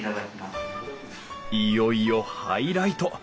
いよいよハイライト。